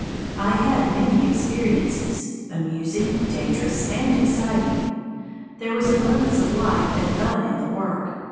I had many experiences, amusing, dangerous, and exciting. There was abundance of life and fun in the work.